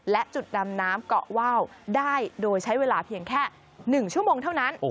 และจุดดำน้ำเกาะว่าวได้โดยใช้เวลาเพียงแค่๑ชั่วโมงเท่านั้น